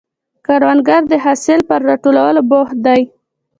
کروندګر د حاصل پر راټولولو بوخت دی